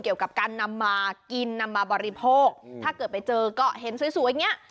เกี่ยวกับการนำมากินนำมาบริโภคถ้าเกิดไปเจอก็เห็นสวยอย่างเงี้ย